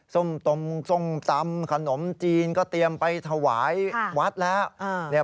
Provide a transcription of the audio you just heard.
ส้มตำส้มตำขนมจีนก็เตรียมไปถวายวัดแล้ว